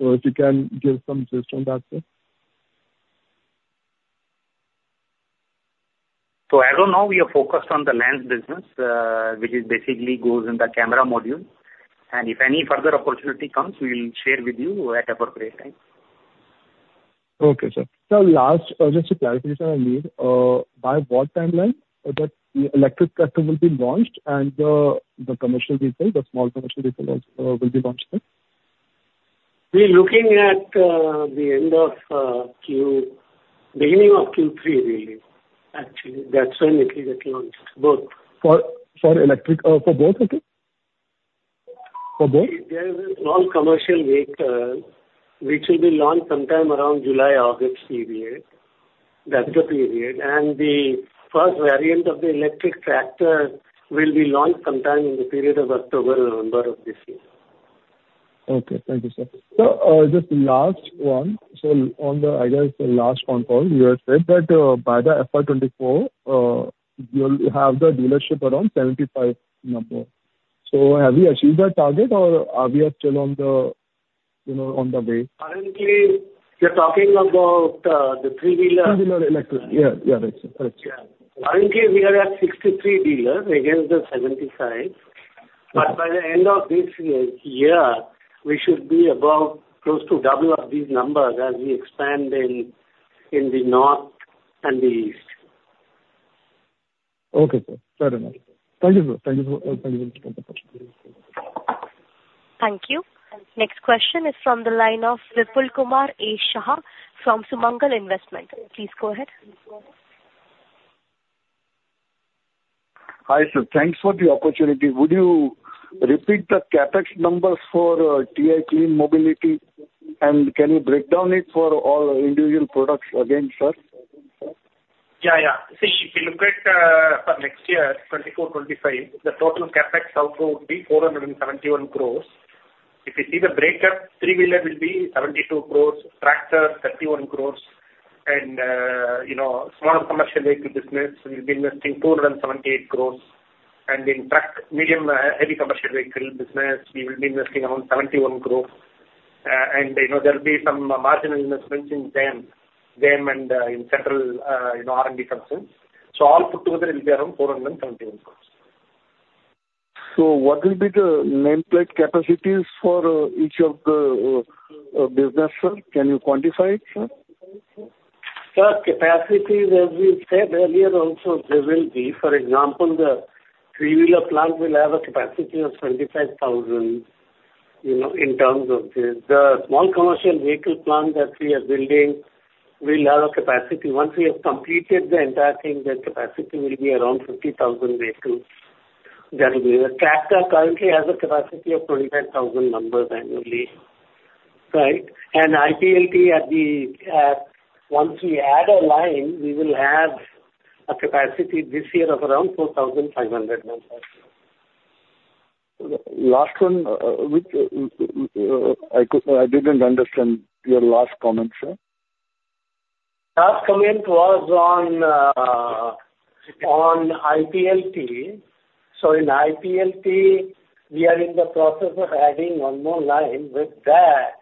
So if you can give some gist on that sir. As of now, we are focused on the lens business, which basically goes in the camera module, and if any further opportunity comes, we will share with you at appropriate time. Okay, sir. So last, just a clarification I need. By what timeline that electric tractor will be launched and, the commercial vehicle, the small commercial vehicle also, will be launched, sir? We are looking at the end of Q2, beginning of Q3, really. Actually, that's when it will get launched, both. For electric, for both, okay? For both. There is a small commercial vehicle which will be launched sometime around July-August period. That's the period. And the first variant of the electric tractor will be launched sometime in the period of October-November of this year. Okay. Thank you, sir. So, just last one. So on the, I guess the last on call, you had said that, by the FY 2024, you'll have the dealership around 75 number. So have you achieved that target or are we still on the, you know, on the way? Currently, we are talking about the three-wheeler. Three-wheeler electric. Yeah. Yeah, that's it. That's it. Yeah. Currently, we are at 63 dealers against the 75. But by the end of this year, we should be above close to double of these numbers as we expand in the North and the East. Okay, sir. Very nice. Thank you, sir. Thank you. Thank you very much. Thank you. Next question is from the line of Vipulkumar A. Shah from Sumangal Investment. Please go ahead. Hi, sir. Thanks for the opportunity. Would you repeat the CapEx numbers for TI Clean Mobility, and can you break down it for all individual products again, sir? Yeah, yeah. See, if you look at, for next year, 2024, 2025, the total CapEx outflow would be 471 crores. If you see the breakup, three-wheeler will be 72 crores, tractor, 31 crores, and, you know, small commercial vehicle business, we'll be investing 478 crores. And in truck, medium, heavy commercial vehicle business, we will be investing around 71 crores. And, you know, there will be some marginal investments in them and in central, you know, R&D functions. So all put together, it'll be around 471 crores. So what will be the nameplate capacities for each of the business, sir? Can you quantify it, sir? Sir, capacities, as we said earlier also, there will be, for example, the three-wheeler plant will have a capacity of 25,000, you know, in terms of this. The small commercial vehicle plant that we are building will have a capacity, once we have completed the entire thing, the capacity will be around 50,000 vehicles. That will be... The tractor currently has a capacity of 25,000 numbers annually, right? And IPLT at the, once we add a line, we will have a capacity this year of around 4,500 numbers. Last one, which, I didn't understand your last comment, sir. Last comment was on IPLT. In IPLT, we are in the process of adding one more line. With that,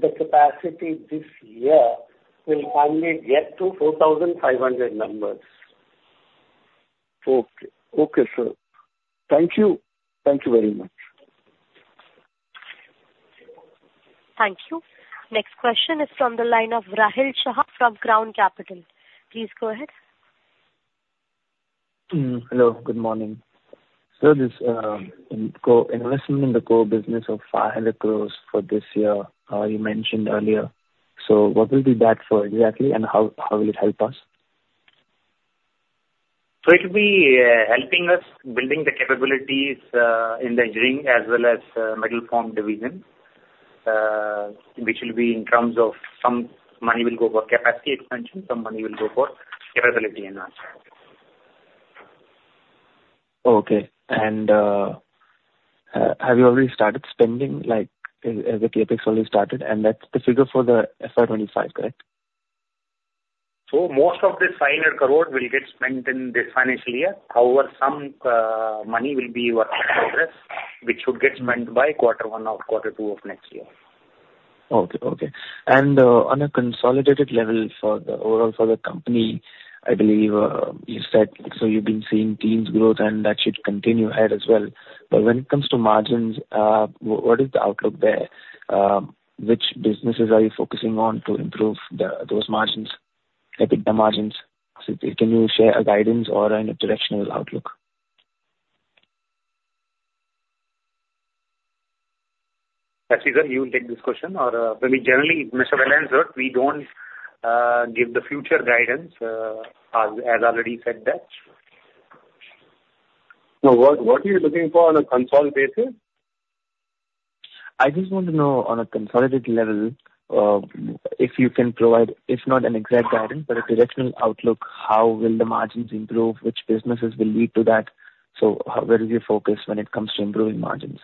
the capacity this year will finally get to 4,500 numbers. Okay. Okay, sir. Thank you. Thank you very much. Thank you. Next question is from the line of Rahil Shah from Crown Capital. Please go ahead. Hello, good morning. So this co-investment in the core business of 500 crore for this year, you mentioned earlier. So what will be that for exactly, and how will it help us? So it will be helping us building the capabilities in the engineering as well as metal formed division, which will be in terms of some money will go for capacity expansion, some money will go for capability enhancement. Okay. And, have you already started spending, like, has the CapEx already started? And that's the figure for the FY 25, correct? Most of this 500 crore will get spent in this financial year. However, some money will be work in progress, which should get spent by quarter one or quarter two of next year. Okay. And on a consolidated level for the overall for the company, I believe you said, so you've been seeing tremendous growth and that should continue ahead as well. But when it comes to margins, what is the outlook there? Which businesses are you focusing on to improve those margins? EBITDA margins, so can you share a guidance or any directional outlook? Ashish, sir, you will take this question or, generally, Mr. Vellayan said, we don't give the future guidance, as already said that. What, what are you looking for on a console basis? I just want to know on a consolidated level, if you can provide, if not an exact guidance, but a directional outlook, how will the margins improve, which businesses will lead to that? So how, where is your focus when it comes to improving margins?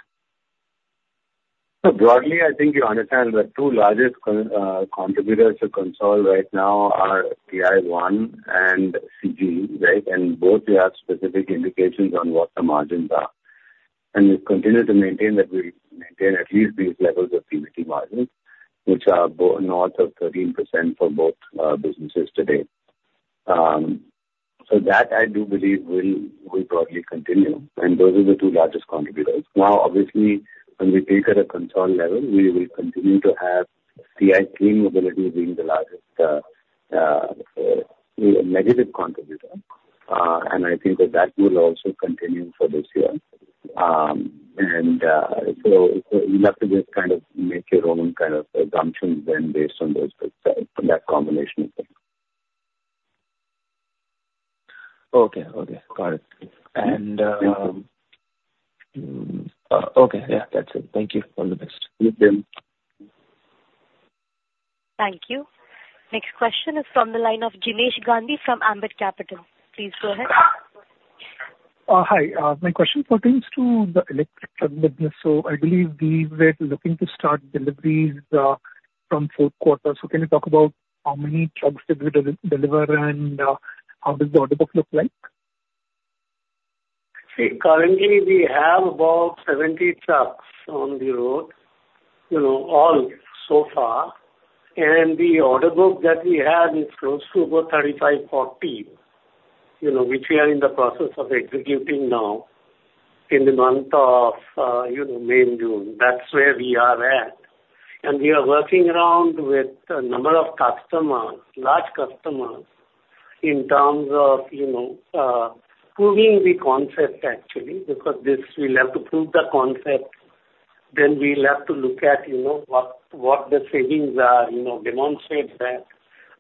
So broadly, I think you understand the two largest contributors to consol right now are TI and CG, right? And both we have specific indications on what the margins are. And we continue to maintain that we maintain at least these levels of PBT margins, which are north of 13% for both businesses today. So that I do believe will broadly continue, and those are the two largest contributors. Now, obviously, when we take at a consol level, we will continue to have TI Clean Mobility being the largest negative contributor. And I think that will also continue for this year. And so you have to just kind of make your own kind of assumptions then based on those from that combination of things. Okay. Okay. Got it. And, Thank you. Okay, yeah, that's it. Thank you. All the best. Thank you. Thank you. Next question is from the line of Jinesh Gandhi from Ambit Capital. Please go ahead. Hi. My question pertains to the electric truck business. So I believe we were looking to start deliveries from fourth quarter. So can you talk about how many trucks did we deliver, and how does the order book look like? See, currently we have about 70 trucks on the road, you know, all so far. And the order book that we have is close to about 35-40, you know, which we are in the process of executing now in the month of, you know, May and June. That's where we are at. And we are working around with a number of customers, large customers, in terms of, you know, proving the concept actually, because this, we'll have to prove the concept, then we'll have to look at, you know, what, what the savings are, you know, demonstrate that.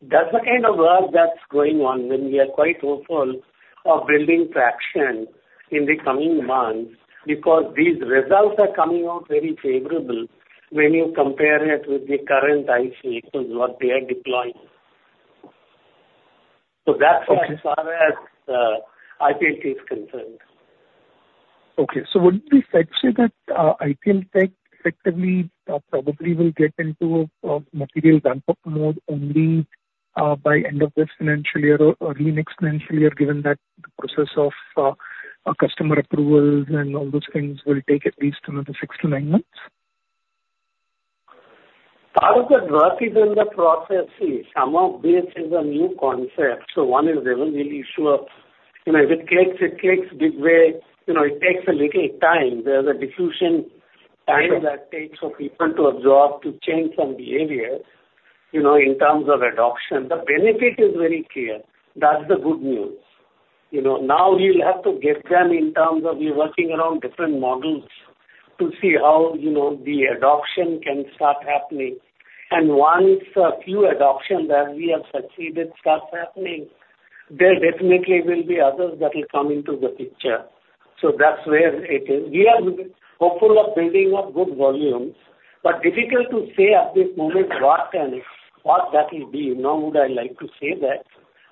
That's the kind of work that's going on, and we are quite hopeful of building traction in the coming months, because these results are coming out very favorable when you compare it with the current IC, because what they are deploying. That's as far as IPL is concerned. Okay, so would you say that, IPLTech effectively, probably will get into, material ramp-up mode only, by end of this financial year or early next financial year, given that the process of, customer approvals and all those things will take at least another 6-9 months? Part of the work is in the process. See, some of this is a new concept, so no one is even really sure, you know, if it clicks, it clicks in a big way. You know, it takes a little time. There's a diffusion time that it takes for people to absorb, to change some behavior, you know, in terms of adoption. The benefit is very clear. That's the good news. You know, now we'll have to get them on board in terms of; we're working around different models to see how, you know, the adoption can start happening. And once a few successful adoptions that we have start happening, there definitely will be others that will come into the picture. So that's where it is. We are hopeful of building up good volumes, but it's difficult to say at this moment what that will be. Nor would I like to say that,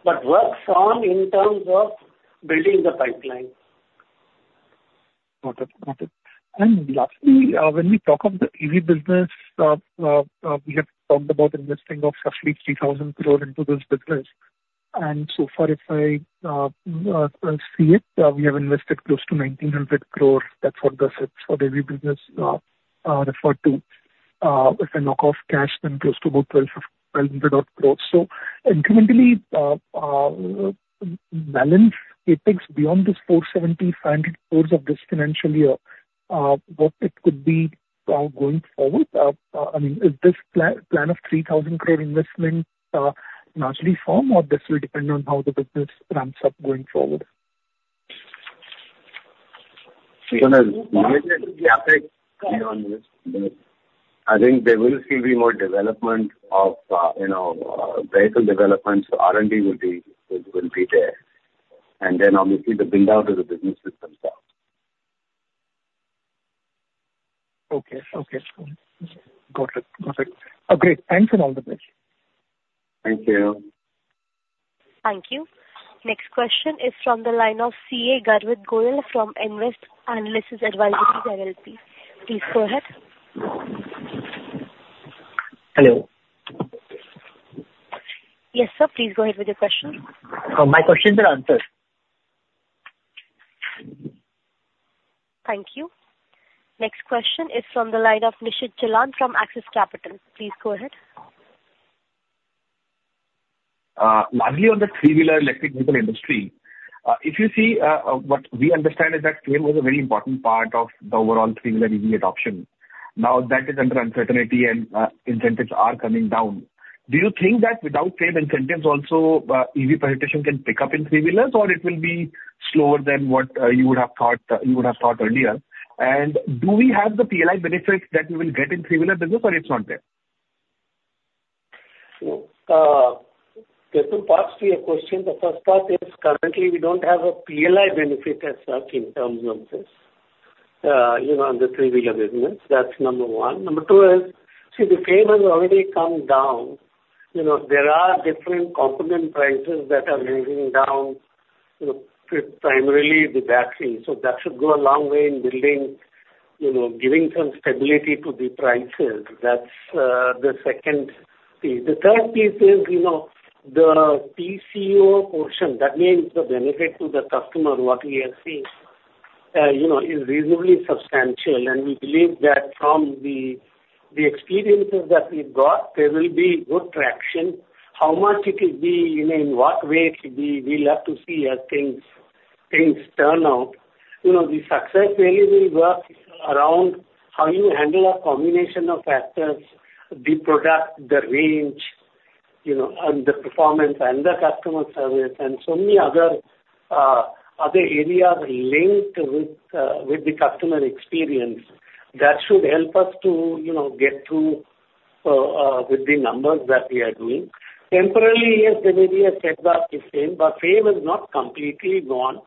but work on in terms of building the pipeline. Got it. Got it. And lastly, when we talk of the EV business, we have talked about investing of roughly 3,000 crore into this business. And so far, if I see it, we have invested close to 1,900 crore. That's what this is for the EV business, referred to, if I knock off cash, then close to about 1,200 crore. So incrementally, balance, it takes beyond this 475 crore of this financial year, what it could be, going forward. I mean, is this plan of 3,000 crore investment, largely firm, or this will depend on how the business ramps up going forward?... I think there will still be more development of, you know, vehicle development, so R&D will be there. And then obviously the build out of the business systems as well. Okay. Okay, cool. Got it. Perfect. Okay, thanks, and all the best. Thank you. Thank you. Next question is from the line of CA Garvit Goyal from Nvest Analytics Advisory LLP. Please go ahead. Hello. Yes, sir, please go ahead with your question. My question are answered. Thank you. Next question is from the line of Nishit Jalan from Axis Capital. Please go ahead. Largely on the three-wheeler electric vehicle industry-... if you see, what we understand is that FAME was a very important part of the overall three-wheeler EV adoption. Now, that is under uncertainty, and, incentives are coming down. Do you think that without FAME incentives also, EV penetration can pick up in three-wheelers, or it will be slower than what, you would have thought, you would have thought earlier? And do we have the PLI benefit that we will get in three-wheeler business, or it's not there? So, there's two parts to your question. The first part is, currently we don't have a PLI benefit as such in terms of this, you know, on the three-wheeler business. That's number one. Number two is, see, the FAME has already come down. You know, there are different component prices that are moving down, you know, primarily the battery. So that should go a long way in building, you know, giving some stability to the prices. That's the second piece. The third piece is, you know, the TCO portion, that means the benefit to the customer, what we are seeing, you know, is reasonably substantial, and we believe that from the, the experiences that we've got, there will be good traction. How much it will be, you know, in what way it will be, we'll have to see as things, things turn out. You know, the success really will work around how you handle a combination of factors, the product, the range, you know, and the performance and the customer service, and so many other, other areas linked with, with the customer experience. That should help us to, you know, get through, with the numbers that we are doing. Temporarily, yes, there may be a setback to FAME, but FAME is not completely gone.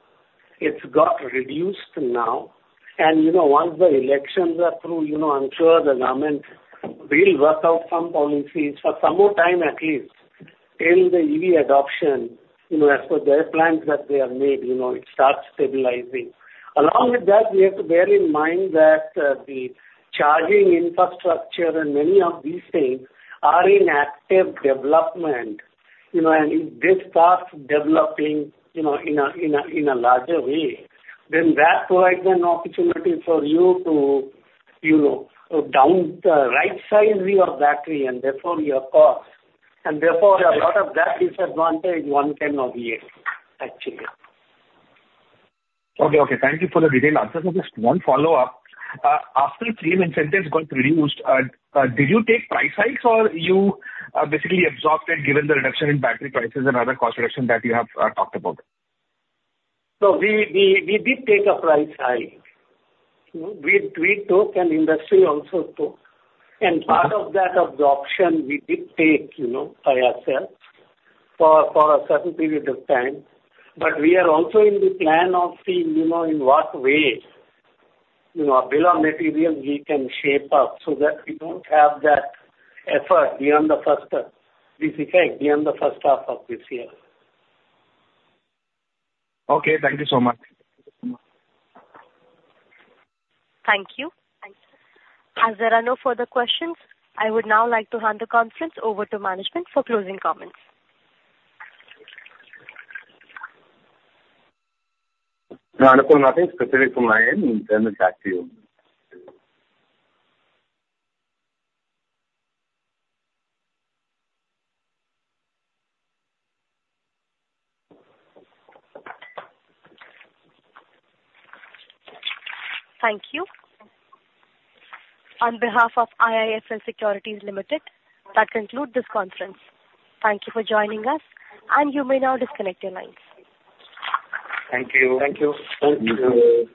It's got reduced now. And you know, once the elections are through, you know, I'm sure the government will work out some policies for some more time at least, till the EV adoption, you know, as per their plans that they have made, you know, it starts stabilizing. Along with that, we have to bear in mind that, the charging infrastructure and many of these things are in active development, you know, and if this starts developing, you know, in a larger way, then that provides an opportunity for you to, you know, rightsize your battery and therefore your costs, and therefore a lot of that disadvantage one can obviate, actually. Okay, okay. Thank you for the detailed answer. Just one follow-up. After FAME incentives got reduced, did you take price hikes or you basically absorbed it, given the reduction in battery prices and other cost reduction that you have talked about? So we did take a price hike. We took, and industry also took. And part of that absorption we did take, you know, by ourselves for a certain period of time. But we are also in the plan of seeing, you know, in what way, you know, a bill of material we can shape up so that we don't have that effort beyond the first, this effect beyond the first half of this year. Okay, thank you so much. Thank you. As there are no further questions, I would now like to hand the conference over to management for closing comments. No, Anupam, nothing specific from my end. Then back to you. Thank you. On behalf of IIFL Securities Limited, that concludes this conference. Thank you for joining us, and you may now disconnect your lines. Thank you. Thank you. Thank you.